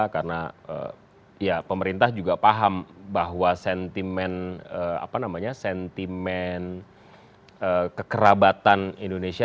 karena pemerintah juga paham bahwa sentimen kekerabatan indonesia